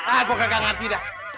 ah gue gak ngerti dah